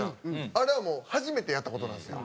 あれはもう初めてやった事なんですよ。